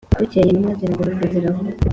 Bukeye intumwa ziragaruka ziravuga